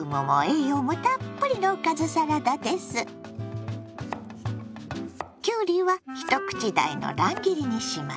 きゅうりは一口大の乱切りにします。